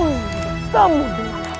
kau ingin sambung dengan aku john